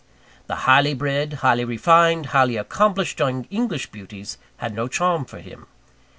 The highly bred, highly refined, highly accomplished young English beauties had no charm for him.